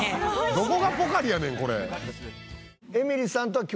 どこがポカリやねんこれ。